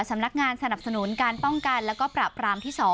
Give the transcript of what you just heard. สำนักงานสนับสนุนการป้องกันแล้วก็ปราบรามที่๒